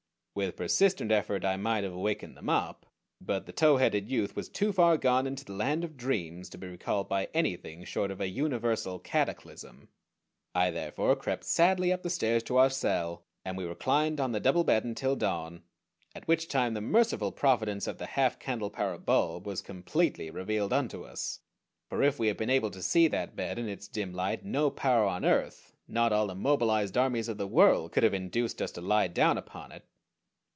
With persistent effort I might have awakened the mop; but the tow headed youth was too far gone into the land of dreams to be recalled by anything short of a universal cataclysm. I therefore crept sadly up the stairs to our cell, and we reclined on the double bed until dawn, at which time the merciful providence of the half candlepower bulb was completely revealed unto us; for if we had been able to see that bed in its dim light no power on earth, not all the mobilized armies of the world could have induced us to lie down upon it.